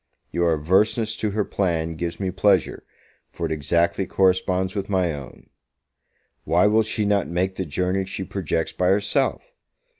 Your averseness to her plan gives me pleasure, for it exactly corresponds with my own. Why will she not make the journey she projects by herself?